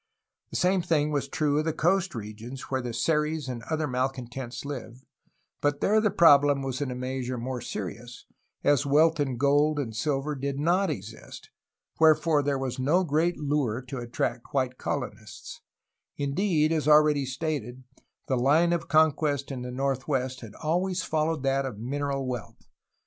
The same thing was true of the coast regions where the Seris and other malcon tents lived, but there the problem was in a measure more serious, as wealth in gold and silver did not exist, wherefore there was no great lure to attract white colonists; indeed, as already stated, the line of conquest in the northwest had always followed that of mineral wealth.